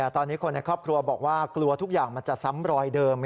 ตอนนี้คนในครอบครัวบอกว่ากลัวทุกอย่างมันจะซ้ำรอยเดิม